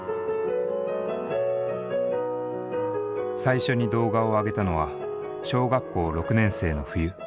最初に動画をあげたのは小学校６年生の冬。